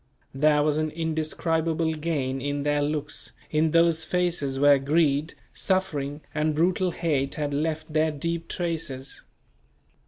There was an indescribable gain in their looks, in those faces where greed, suffering and brutal hate had left their deep traces.